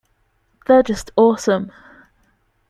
They're just awesome.